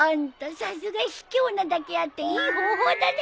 さすがひきょうなだけあっていい方法だね。